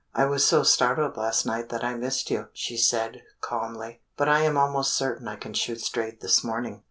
"I was so startled last night that I missed you," she said, calmly; "but I am almost certain I can shoot straight this morning."